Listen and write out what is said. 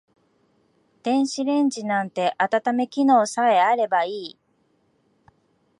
電子レンジなんて温め機能さえあればいい